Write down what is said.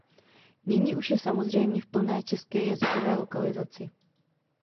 Nyní už je samozřejmě v plné české jazykové lokalizaci.